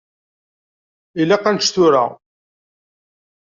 Ilaq ad nečč tura.